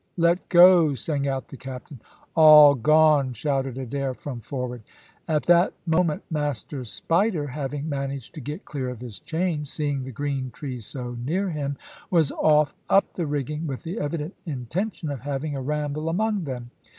"Let go," sang out the captain. "All gone!" shouted Adair from forward. At that moment Master Spider, having managed to get clear of his chain, seeing the green trees so near him, was off up the rigging with the evident intention of having a ramble among them.